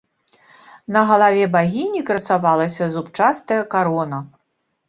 На галаве багіні красавалася зубчастая карона.